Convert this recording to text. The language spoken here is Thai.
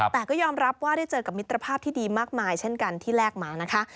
แต่ก็ยอมรับว่าได้เจอกับมิตรภาพที่ดีมากมายเช่นกันที่แลกมานะคะ